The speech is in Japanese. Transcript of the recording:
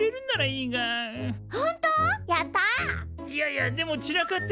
いやいやでも散らかってるよ？